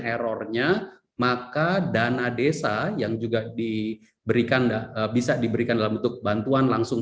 errornya maka dana desa yang juga diberikan bisa diberikan dalam bentuk bantuan langsung